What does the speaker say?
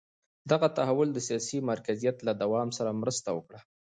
دغه تحول د سیاسي مرکزیت له دوام سره مرسته وکړه.